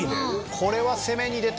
これは攻めに出た！